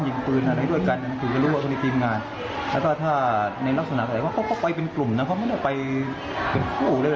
ต่างคนต่างก็มีครอบครัวใช่ไหมแต่ว่าในส่วนไหนยังไงผมก็ไม่รู้